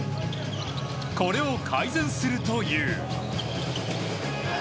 これを改善するという。